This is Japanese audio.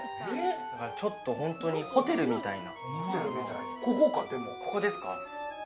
ちょっと本当にホテルみたいな。